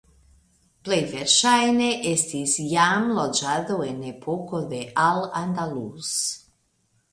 Plej verŝajne estis jam loĝado en epoko de Al Andalus.